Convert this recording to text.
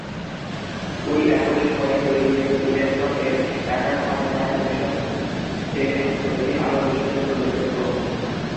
ঐ একই সময়ে তৈরী জেমস উইলিয়ামসন এর "attack on a China mission station" ছবিটি আরও বিশেষভাবে উল্লেখযোগ্য।